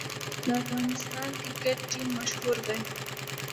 د افغانستان کرکټ ټیم مشهور دی